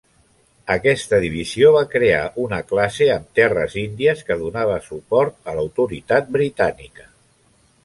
Aquesta divisió va crear una classe amb terres índies que donava suport a l'autoritat britànica.